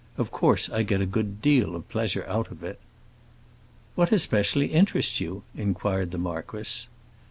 Of course I get a good deal of pleasure out of it." "What especially interests you?" inquired the marquis.